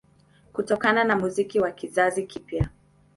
Kutokana na muziki wa kizazi kipya